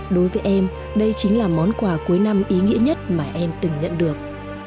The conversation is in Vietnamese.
đối với em đây chính là món quà cuối năm ý nghĩa nhất mà em từng nhận được